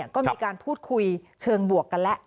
ก็มีการพูดคุยเชิงบวกกันแล้ว